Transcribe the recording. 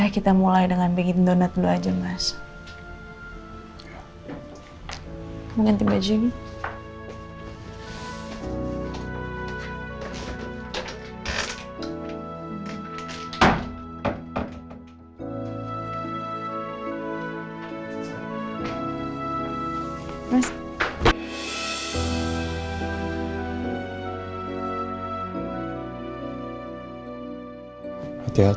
kamu masih cinta sama dia